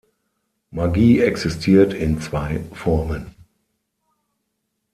Magie existiert in zwei Formen.